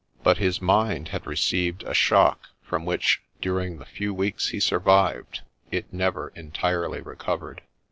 But his mind had received a shock from which, during the few weeks he survived, it never entirely recovered.